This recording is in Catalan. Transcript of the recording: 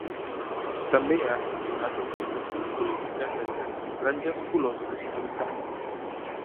També ha assessorat organitzacions polítiques de diverses franges, colors i nacionalitats.